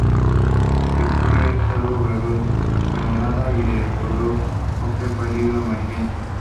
Su textura es algo granulada y de color ocre pálido amarillento.